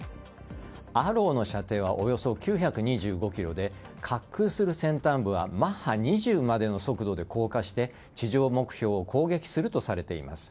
ＡＲＲＷの射程はおよそ９２５ｋｍで滑空する先端部はマッハ２０までの速度で降下して地上目標を攻撃するとされています。